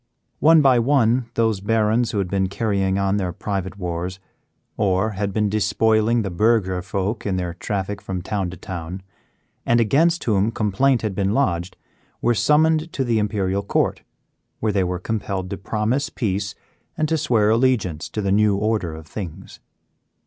One by one those barons who had been carrying on their private wars, or had been despoiling the burgher folk in their traffic from town to town, and against whom complaint had been lodged, were summoned to the Imperial Court, where they were compelled to promise peace and to swear allegiance to the new order of things.